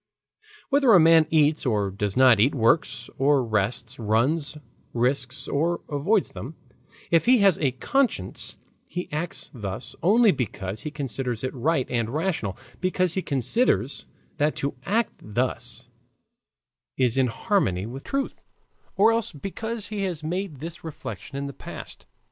Whether a man eats or does not eat, works or rests, runs risks or avoids them, if he has a conscience he acts thus only because he considers it right and rational, because he considers that to act thus is in harmony with truth, or else because he has made this reflection in the past.